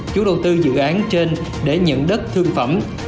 chủ đầu tư dự án trên để nhận đất thương phẩm